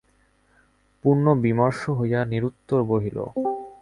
পূর্ণ বিমর্ষ হইয়া নিরুত্তর রহিল।